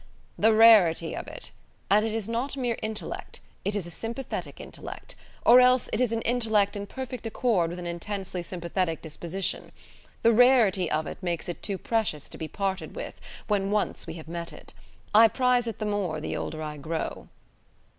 "The rarity of it: and it is not mere intellect, it is a sympathetic intellect; or else it is an intellect in perfect accord with an intensely sympathetic disposition; the rarity of it makes it too precious to be parted with when once we have met it. I prize it the more the older I grow."